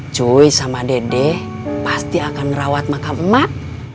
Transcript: cuy sama dede pasti akan merawat makam emak